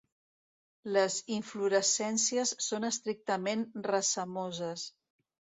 Les inflorescències són estrictament racemoses.